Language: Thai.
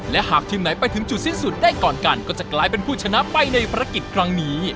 และหากทีมไหนไปถึงจุดสิ้นสุดได้ก่อนกันก็จะกลายเป็นผู้ชนะไปในภารกิจครั้งนี้